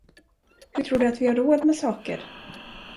Hur tror du att vi har råd med saker?